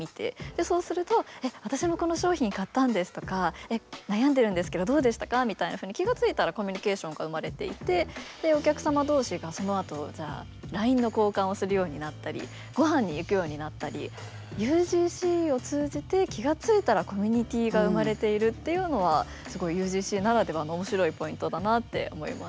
そうすると「私もこの商品買ったんです」とか「悩んでるんですけどどうでしたか」みたいなふうに気が付いたらコミュニケーションが生まれていてでお客様同士がそのあとＬＩＮＥの交換をするようになったりごはんに行くようになったりっていうのはすごいＵＧＣならではの面白いポイントだなって思いました。